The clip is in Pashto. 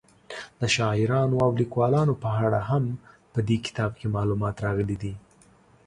د شاعرانو او لیکوالو په اړه هم په دې کتاب کې معلومات راغلي دي.